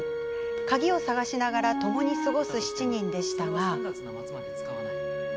鍵を探しながらともに過ごす７人でしたが。